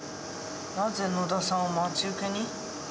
なぜ野田さんを待ち受けに？